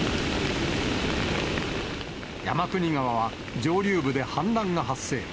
山国川は上流部で氾濫が発生。